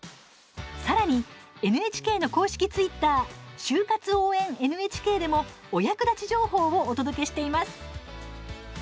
さらに、ＮＨＫの公式ツイッター「就活応援ＮＨＫ」でもお役立ち情報をお届けしています。